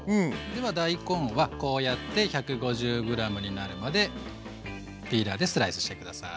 では大根はこうやって１５０ｇになるまでピーラーでスライスして下さい。